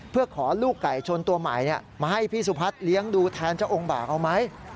เพื่อขอลูกไก่ชนตัวใหม่มาให้พี่สุพัฒน์เลี้ยงดูแทนเจ้าองค์บากเอาไหม